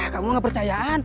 kamu gak percayaan